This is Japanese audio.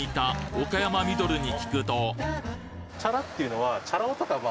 チャラっていうのは。